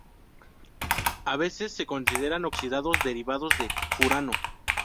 A veces se consideran oxidados derivados de furano.